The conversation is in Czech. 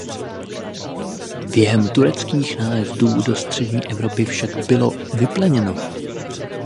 Během tureckých nájezdů do střední Evropy však bylo vypleněno.